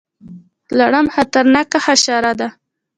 لړم خطرناکه حشره ده